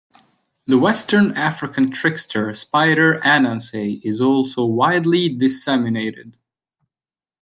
The Western African trickster spider Ananse is also widely disseminated.